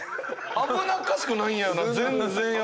危なっかしくないんやな全然。